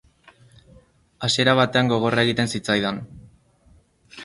Hasiera batean gogorra egiten zitzaidan.